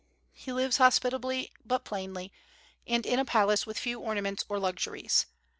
He lives hospitably but plainly, and in a palace with few ornaments or luxuries.